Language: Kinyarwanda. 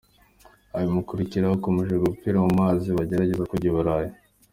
Abimukira bakomeje gupfira mu mazi bagerageza kujya i Burayi.